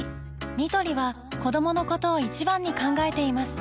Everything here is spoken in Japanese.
ニトリは子どものことを一番に考えています